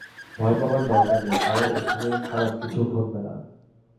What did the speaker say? ভয় পাবার দরকার নেই, কারণ এখানে খারাপ কিছুই ঘটবে না।